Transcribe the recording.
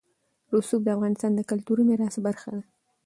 رسوب د افغانستان د کلتوري میراث برخه ده.